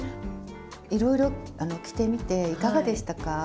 いろいろ着てみていかがでしたか？